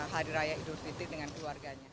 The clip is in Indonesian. hari raya idul fitri dengan keluarganya